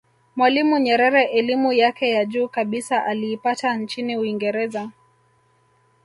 mwalimu nyerere elimu yake ya juu kabisa aliipata nchini uingereza